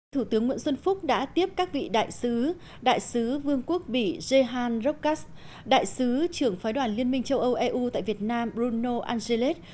thủ tướng nguyễn xuân phúc đã tiếp các vị đại sứ đại sứ vương quốc bỉ jhan rokash đại sứ trưởng phái đoàn liên minh châu âu eu tại việt nam bruno angeles